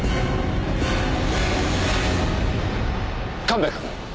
神戸君。